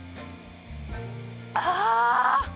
ああ！